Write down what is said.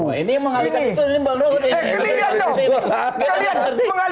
ini yang mengalihkan isu ini bang rout